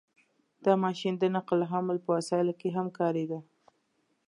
• دا ماشین د نقل او حمل په وسایلو کې هم کارېده.